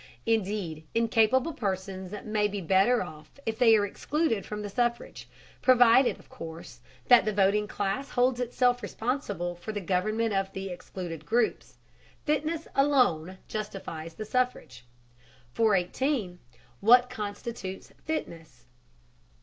Indeed, incapable persons may be better off if they are excluded from the suffrage, provided, of course, that the voting class holds itself responsible for the government of the excluded groups. Fitness alone justifies the suffrage. 418. WHAT CONSTITUTES FITNESS?